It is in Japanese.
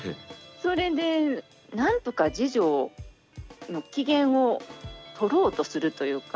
それで何とか次女の機嫌を取ろうとするというか。